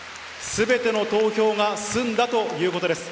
すべての投票が済んだということです。